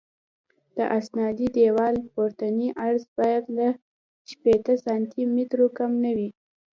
د استنادي دیوال پورتنی عرض باید له شپېته سانتي مترو کم نه وي